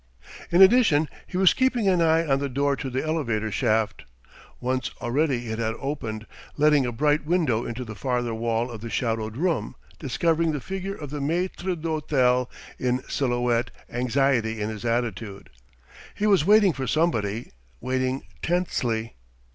In addition he was keeping an eye on the door to the elevator shaft. Once already it had opened, letting a bright window into the farther wall of the shadowed room, discovering the figure of the maître d'hôtel in silhouette, anxiety in his attitude. He was waiting for somebody, waiting tensely.